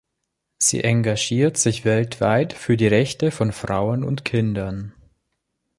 Sie engagiert sich weltweit für die Rechte von Frauen und Kindern.